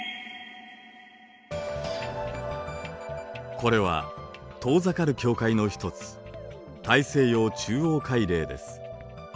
これは遠ざかる境界の一つ大西洋中央海嶺です。